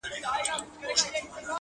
هغه ښکلي الفاظ او کلمات چي -